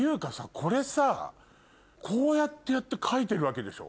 これさこうやってやって描いてるわけでしょ？